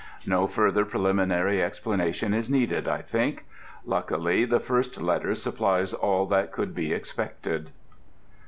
No further preliminary explanation is needed, I think. Luckily the first letter supplies all that could be expected.